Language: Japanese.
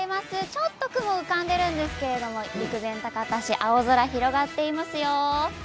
ちょっと雲が浮かんでいますが陸前高田市青空が広がっていますよ。